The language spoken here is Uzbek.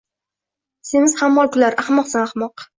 Semiz hammol kular: — Ahmoqsan, ahmoq!